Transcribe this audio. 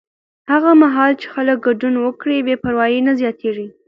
هغه مهال چې خلک ګډون وکړي، بې پروایي نه زیاتېږي.